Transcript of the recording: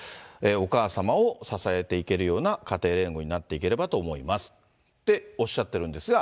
お母様を支えていけるような家庭連合になっていければと思いますって、おっしゃっているんですが。